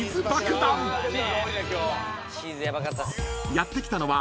［やって来たのは］